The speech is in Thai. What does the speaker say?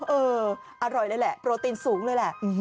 เอออร่อยเลยแหละโปรตีนสูงเลยแหละ